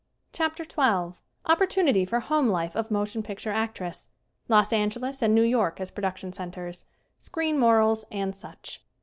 CHAPTER XII Opportunity for home life of motion picture actress Los Angeles and New York as production centers Screen morals and such.